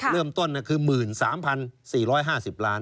เริ่มต้นคือ๑๓๔๕๐ล้าน